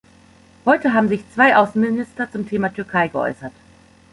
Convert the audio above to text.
Heute haben sich zwei Außenminister zum Thema Türkei geäußert.